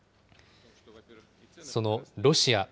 そのロシア。